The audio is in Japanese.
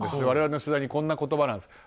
我々の取材にこんな言葉です。